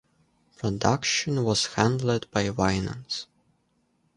Production was handled by Winans.